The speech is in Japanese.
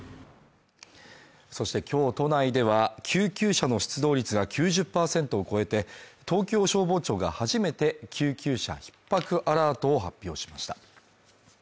そして今日都内では、救急車の出動率が９０％を超えて、東京消防庁が初めて救急車ひっ迫アラートを発表しました。